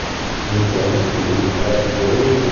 Iniziò gli studi presso i gesuiti.